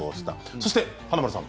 そして華丸さん。